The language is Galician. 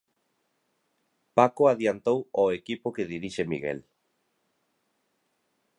Paco adiantou ao equipo que dirixe Miguel.